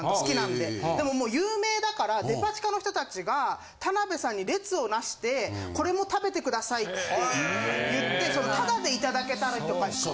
でももう有名だからデパ地下の人達が田辺さんに列をなしてこれも食べてくださいって言ってタダでいただけたりとかして。